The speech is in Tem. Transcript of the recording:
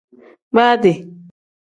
Baadi.